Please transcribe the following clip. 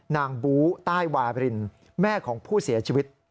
บูใต้วาบรินแม่ของผู้เสียชีวิต